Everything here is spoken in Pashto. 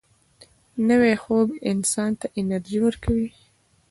نوی خوب انسان ته انرژي ورکوي